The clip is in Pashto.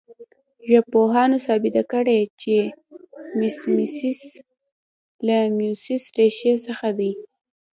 ژبپوهانو ثابته کړې چې میمیسیس له میموس ریښې څخه دی